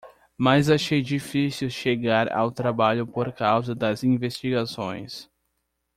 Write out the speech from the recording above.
Mas achei difícil chegar ao trabalho por causa das investigações.